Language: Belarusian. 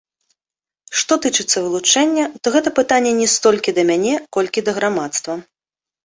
Што тычыцца вылучэння, то гэта пытанне не столькі да мяне, колькі да грамадства.